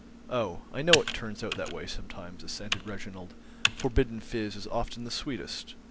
"Oh, I know it turns out that way sometimes," assented Reginald. "Forbidden fizz is often the sweetest."